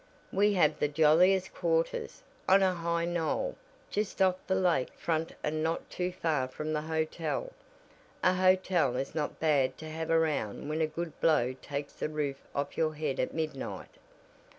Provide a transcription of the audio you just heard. "We have the jolliest quarters, on a high knoll, just off the lake front and not too far from the hotel a hotel is not bad to have around when a good blow takes the roof off your head at midnight."